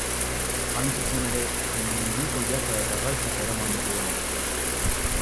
Hain zuzen ere, mendiko jaka eta galtzak eraman ditu honek.